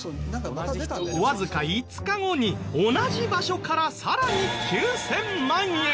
わずか５日後に同じ場所からさらに９０００万円！